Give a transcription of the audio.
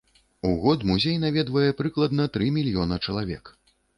У год музей наведвае прыкладна тры мільёна чалавек.